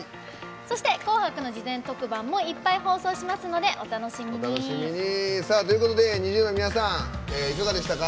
「紅白」の事前特番もいっぱい放送しますのでお楽しみに。ということでＮｉｚｉＵの皆さんいかがでしたか。